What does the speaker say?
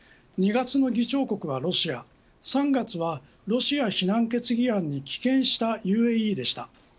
２月の議長国はロシア３月はロシア非難決議案に棄権したＵＡＥでした。